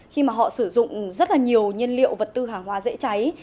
khi mà họ sử dụng rất là nhiều nhân liệu vật tư hàng hóa dễ cháy